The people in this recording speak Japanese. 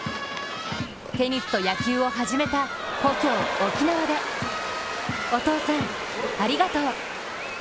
テニスと野球を始めた故郷・沖縄でお父さん、ありがとう。